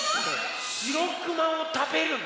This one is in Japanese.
しろくまをたべるの？